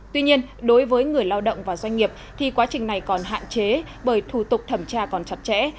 tuy nhiên đối với người lao động và doanh nghiệp thì quá trình này còn hạn chế bởi thủ tục thẩm tra còn chặt chẽ